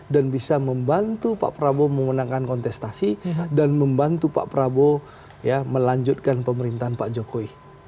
bisa membantu pak prabowo memenangkan kontestasi dan membantu pak prabowo melanjutkan pemerintahan pak jokowi